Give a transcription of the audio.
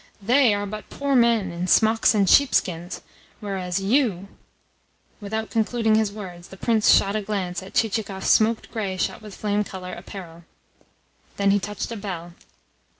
THEY are but poor men in smocks and sheepskins, whereas YOU " Without concluding his words, the Prince shot a glance at Chichikov's smoked grey shot with flame colour apparel. Then he touched a bell.